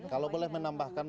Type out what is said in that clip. kalau boleh menambahkan